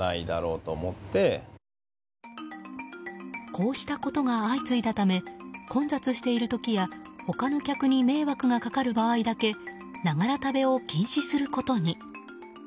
こうしたことが相次いだため混雑している時や他の客に迷惑がかかる場合だけながら食べを禁止することに。